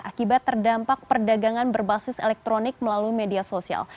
akibat terdampak perdagangan berbasis elektronik melalui media sosial